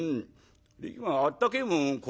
今あったけえもんこ